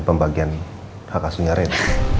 pembagian hak aslinya ren